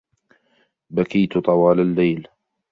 بكيتُ طوال الليل.